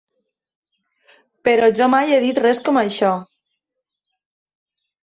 Però jo mai he dit res com això.